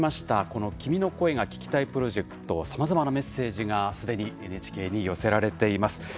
この「君の声が聴きたい」プロジェクト、さまざまなメッセージがすでにＮＨＫに寄せられています。